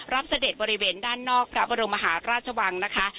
เสด็จบริเวณด้านนอกพระบรมหาราชวังนะคะ